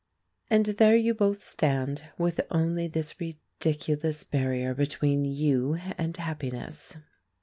And there you both stand, with only this ridiculous barrier between you and happiness.